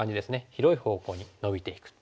広い方向にノビていく。